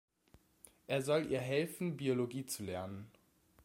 Er soll ihr helfen, Biologie zu lernen.